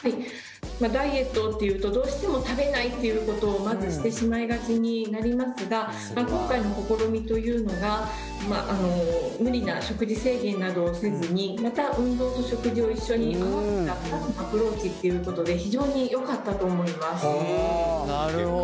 ダイエットっていうとどうしても食べないっていうことをまずしてしまいがちになりますが今回の試みというのが無理な食事制限などをせずにまた運動と食事を一緒に合わせたアプローチっていうことで非常によかったと思います。